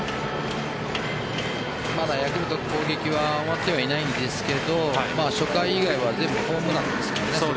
まだヤクルト攻撃は終わってはいないんですが初回以外は全部ホームランですからね。